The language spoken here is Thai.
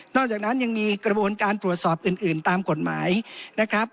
อกจากนั้นยังมีกระบวนการตรวจสอบอื่นตามกฎหมายนะครับ